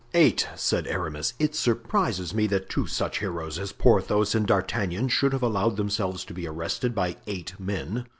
"Eight!" said Aramis; "it surprises me that two such heroes as Porthos and D'Artagnan should have allowed themselves to be arrested by eight men."